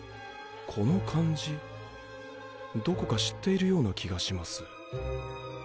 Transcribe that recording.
この感じどこか知っているような気がします！